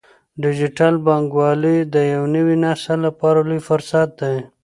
ډیجیټل بانکوالي د نوي نسل لپاره لوی فرصت دی۔